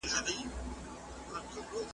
په دې وروستیو ورځو کي مي .